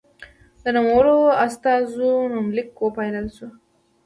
د نومولو استازو نومليک وپايلل شو.